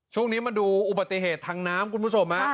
ช่วงนี้มาดูอุบัติเหตุทางน้ำคุณผู้ชม